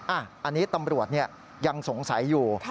อันนี้ตำรวจยังสงสัยอยู่